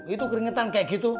itu keringetan kayak gitu